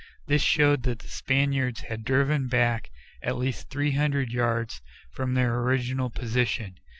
This showed that the Spaniards had been driven back at least three hundred yards from their original position.